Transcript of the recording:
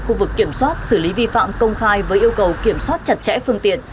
khu vực kiểm soát xử lý vi phạm công khai với yêu cầu kiểm soát chặt chẽ phương tiện